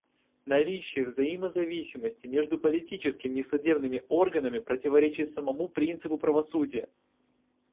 Наличие взаимозависимости между политическим и судебным органами противоречит самому принципу правосудия.